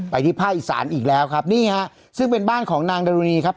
ที่ภาคอีสานอีกแล้วครับนี่ฮะซึ่งเป็นบ้านของนางดรุณีครับ